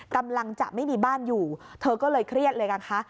กำลังจะไม่มีบ้านอยู่เธอก็เลยเครียดเลยกันคะ